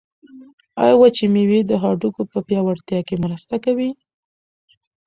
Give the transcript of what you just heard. آیا وچې مېوې د هډوکو په پیاوړتیا کې مرسته کوي؟